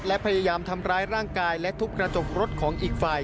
และพยายามทำร้ายร่างกายและทุบกระจกรถของอีกฝ่าย